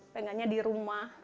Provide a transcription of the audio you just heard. pengennya di rumah